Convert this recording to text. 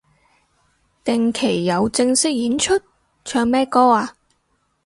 定期有正式演出？唱咩歌啊